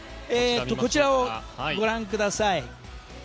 こちらをご覧ください。